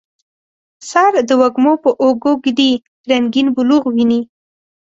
سر د وږمو په اوږو ږدي رنګیین بلوغ ویني